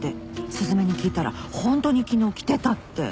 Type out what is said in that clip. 雀に聞いたらホントに昨日着てたって。